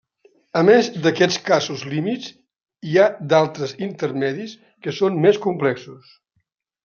A més d'aquests casos límit, hi ha d'altres intermedis que són més complexos.